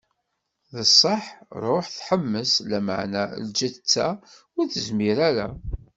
D ṣṣeḥḥ, Ṛṛuḥ itḥemmes, lameɛna lǧetta ur tezmir ara.